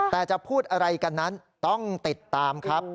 แต่จะพูดอะไรกันนั้นต้องติดตามครับ